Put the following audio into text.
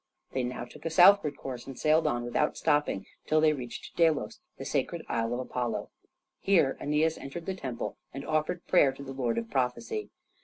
They now took a southward course, and sailed on without stopping till they reached Delos, the sacred isle of Apollo. Here Aeneas entered the temple and offered prayer to the lord of prophecy.